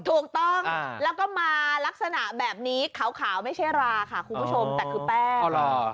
ถูกต้องแล้วก็มาลักษณะแบบนี้ขาวไม่ใช่ราค่ะคุณผู้ชมแต่คือแป้งอ๋อเหรอ